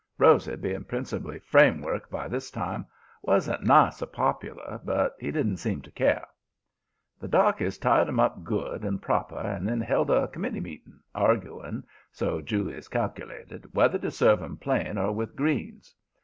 Rosy, being principally framework by this time, wa'n't nigh so popular; but he didn't seem to care. "The darkies tied 'em up good and proper and then held a committee meeting, arguing, so Julius cal'lated, whether to serve 'em plain or with greens.